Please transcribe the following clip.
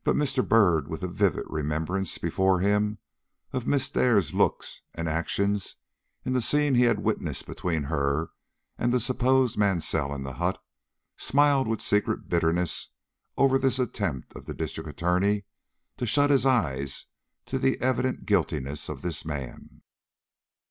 Mr. Byrd, with the vivid remembrance before him of Miss Dare's looks and actions in the scene he had witnessed between her and the supposed Mansell in the hut, smiled with secret bitterness over this attempt of the District Attorney to shut his eyes to the evident guiltiness of this man.